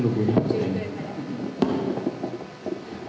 mbak dari mabesteni